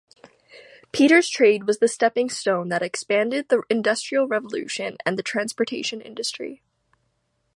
Peter's trade was the stepping-stone that expanded the industrial revolution and the transportation industry.